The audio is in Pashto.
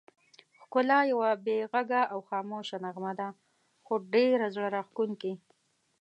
ښکلا یوه بې غږه او خاموشه نغمه ده، خو ډېره زړه راښکونکې.